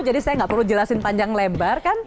jadi saya nggak perlu jelasin panjang lebar kan